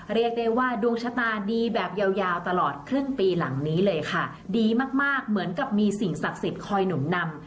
เรียกได้ว่าดวงชะตาดีแบบยาวยาวตลอดครึ่งปีหลังนี้เลยค่ะดีมากมากเหมือนกับมีสิ่งศักดิ์สิทธิ์คอยหนุนนำ